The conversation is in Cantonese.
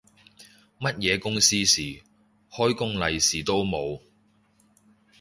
乜嘢公司事，開工利是都冇